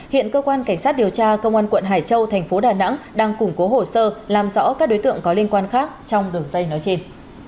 hiện cơ quan cảnh sát điều tra công an quận hải châu thành phố đà nẵng đang củng cố hồ sơ làm rõ các đối tượng có liên quan khác trong đường dây nói trên